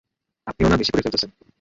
আপনিও না বেশি করে ফেলতেছেন!